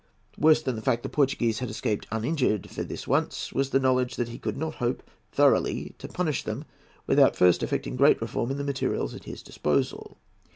Worse than the fact that the Portuguese had escaped uninjured for this once, was the knowledge that he could not hope thoroughly to punish them without first effecting great reform in the materials at his disposal.